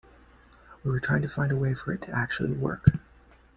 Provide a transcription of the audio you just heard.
We were trying to find a way for it to actually work...